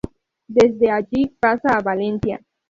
Desde allí pasa a Valencia.